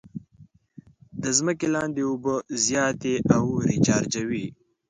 د ځمکې لاندې اوبه زیاتې او ریچارجوي.